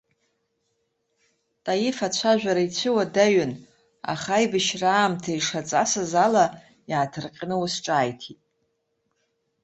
Таиф ацәажәара ицәыуадаҩын, аха аибашьра аамҭа ишаҵасыз ала, иааҭырҟьаны ус ҿааиҭит.